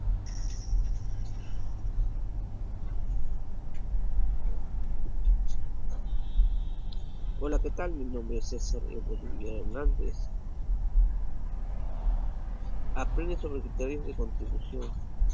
¿Por qué debería ponerle la vacuna contra la difteria a mi hijo?